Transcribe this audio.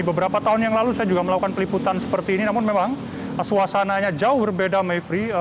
beberapa tahun yang lalu saya juga melakukan peliputan seperti ini namun memang suasananya jauh berbeda mevri